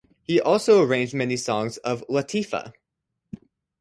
He also arranged many songs of Latifa.